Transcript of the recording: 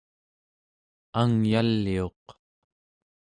angyaliuq